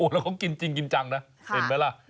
แล้วเขากินจริงกินจังนะเห็นไหมล่ะ